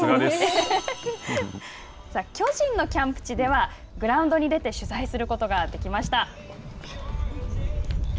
巨人のキャンプ地ではグラウンドに出て取材することができました。